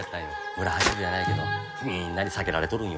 村八分やないけどみんなに避けられとるんよね。